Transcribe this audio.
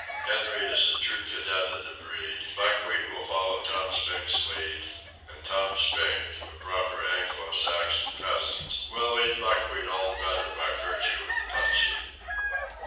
Henry is a true cadet of the breed, Buckwheat will follow Tom Spink's lead, and Tom Spink, a proper Anglo Saxon peasant, will lead Buckwheat all the better by virtue of the punching.